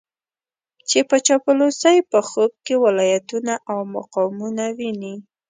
چې په چاپلوسۍ په خوب کې ولايتونه او مقامونه ويني.